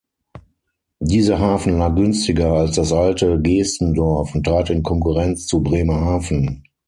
Dieser Hafen lag günstiger als das alte Geestendorf und trat in Konkurrenz zu Bremerhaven.